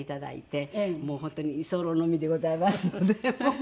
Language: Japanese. もう本当に居候の身でございますので。